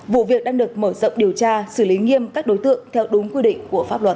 vụ việc đang được mở rộng điều tra xử lý nghiêm các đối tượng theo đúng quy định của pháp luật